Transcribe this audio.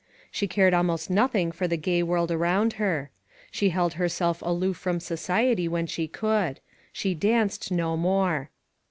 She cared almost nothing for the gay world around her. She held herself aloof from society when she could. She danced no more.